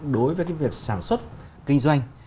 đối với cái việc sản xuất kinh doanh